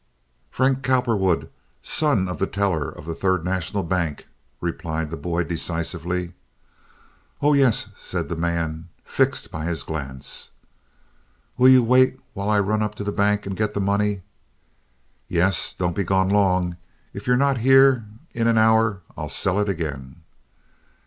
"Frank Cowperwood, son of the teller of the Third National Bank," replied the boy, decisively. "Oh, yes," said the man, fixed by his glance. "Will you wait while I run up to the bank and get the money?" "Yes. Don't be gone long. If you're not here in an hour I'll sell it again."